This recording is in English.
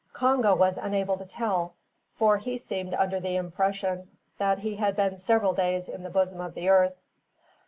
Congo was unable to tell, for he seemed under the impression that he had been several days in the bosom of the earth.